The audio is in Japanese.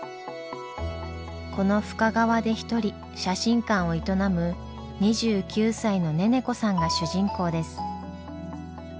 この深川で一人写真館を営む２９歳のネネコさんが主人公です。